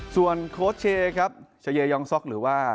ส่วนโค้ชเชเชเยยองศกหรือว่า